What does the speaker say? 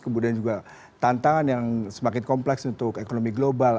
kemudian juga tantangan yang semakin kompleks untuk ekonomi global